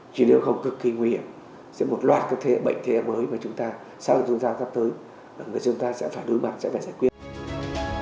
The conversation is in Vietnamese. chỉ nếu không cực kỳ nguy hiểm sẽ một loạt các bệnh thế mới mà chúng ta sau thời gian sắp tới chúng ta sẽ phải đối mặt sẽ phải giải quyết